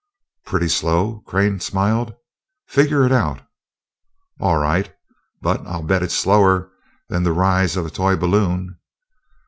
"Pretty slow?" Crane smiled. "Figure it out." "All right but I'll bet it's slower than the rise of a toy balloon."